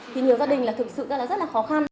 thì nhiều gia đình là thực sự rất là khó khăn